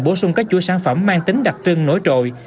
bổ sung các chuỗi sản phẩm mang tính đặc trưng nổi trội